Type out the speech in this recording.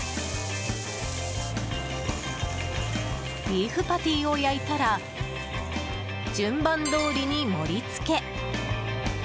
ビーフパティを焼いたら順番どおりに盛り付け。